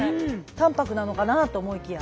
淡泊なのかなと思いきや。